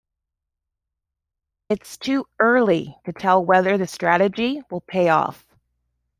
It's too early to tell whether the strategy will pay off.